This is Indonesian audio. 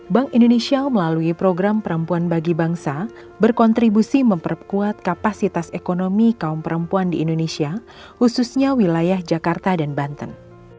bank indonesia melalui program perempuan bagi bangsa berkontribusi memperkuat kapasitas ekonomi kaum perempuan di indonesia khususnya wilayah jakarta dan banten